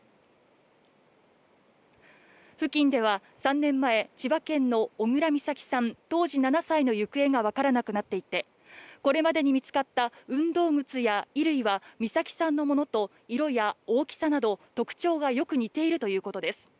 付近では３年前、千葉県の小倉美咲さん当時７歳の行方が分からなくなっていて、これまでに見つかった運動靴や衣類は美咲さんのものと色や大きさなど、特徴がよく似ているということです。